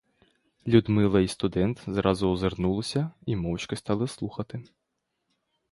Людмила й студент зразу озирнулись і мовчки стали слухати.